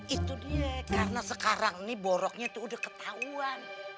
itu dia karena sekarang ini boroknya itu udah ketahuan